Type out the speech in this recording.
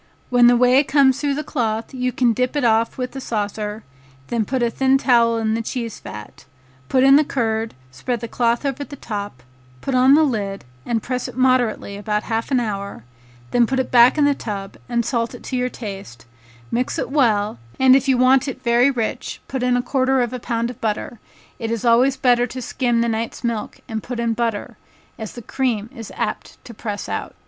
When the whey comes through the cloth, you can dip it off with a saucer, then put a thin towel in the cheese vat, put in the curd, spread the cloth over the top, put on the lid, and press it moderately about half an hour; then put it back in the tub and salt it to your taste; mix it well, and if you want it very rich put in a quarter of a pound of butter; it is always better to skim the night's milk and put in butter, as the cream is apt to press out.